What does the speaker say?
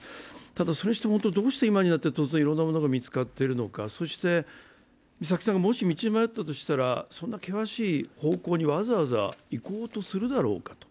ただ、それにしてもどうして今になって突然いろいろなものが見つかっているのか、そして美咲さんが、もし道に迷ったとしたらそんな険しい方向にわざわざ行こうとするだろうかと。